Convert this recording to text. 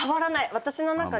私の中では。